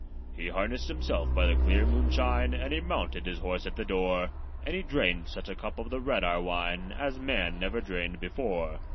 He harnessed himself by the clear moonshine, And he mounted his horse at the door; And he drained such a cup of the red Ahr wine, As man never drained before.